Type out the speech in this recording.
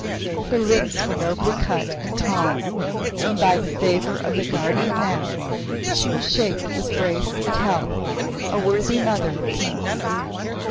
Her lips were nobly cut and calm, and by the favour of the Guardian Nats, she was shaped with grace and health, a worthy mother of kings.